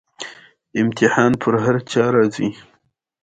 په موسکا یې وویل.